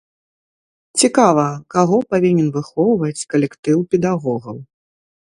Цікава, каго павінен выхоўваць калектыў педагогаў?